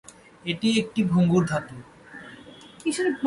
এটি একটি ভঙ্গুর ধাতু।